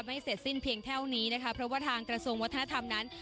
ไม่เสร็จสิ้นเพียงเท่านี้นะคะเพราะว่าทางกระทรวงวัฒนธรรมนั้น